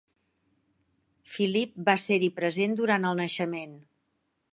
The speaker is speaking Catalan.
Phillippe va ser-hi present durant el naixement.